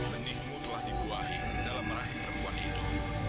benihmu telah dibuahi dalam rahim perempuan hidup